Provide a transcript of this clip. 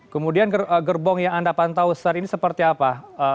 kemudian gerbong yang anda pantau saat ini seperti apa